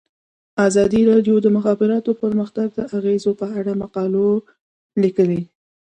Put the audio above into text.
ازادي راډیو د د مخابراتو پرمختګ د اغیزو په اړه مقالو لیکلي.